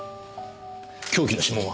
凶器の指紋は？